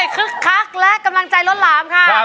ครึกคักและกำลังใจลดหลามค่ะ